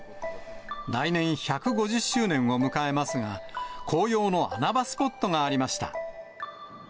来年、１５０周年を迎えますが、紅葉の穴場スポットがありました。